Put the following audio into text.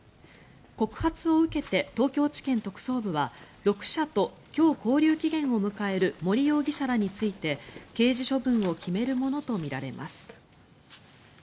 告発を受けて東京地検特捜部は６社と今日、勾留期限を迎える森容疑者らについて刑事処分を決めるものとみられます。